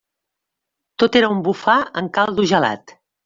Tot era un bufar en caldo gelat.